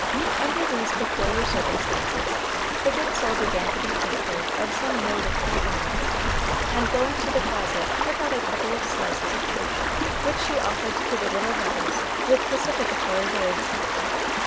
Under these peculiar circumstances, the good soul began to bethink her of some mode of compromise, and going to the closet took out a couple of slices of cake, which she offered to the little rebels with pacificatory words.